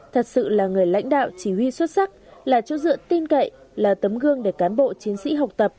thật sự là người lãnh đạo chỉ huy xuất sắc là chỗ dựa tin cậy là tấm gương để cán bộ chiến sĩ học tập